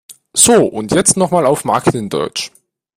So, und jetzt noch mal auf Marketing-Deutsch!